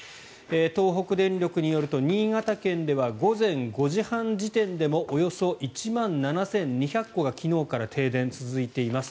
東北電力によると新潟県では午前５時半時点でもおよそ１万７２００戸が昨日から停電続いています。